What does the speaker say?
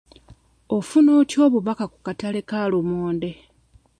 Ofuna otya obubaka ku kataale ka lumonde?